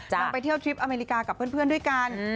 นางไปเที่ยวทริปอเมริกากับเพื่อนด้วยกัน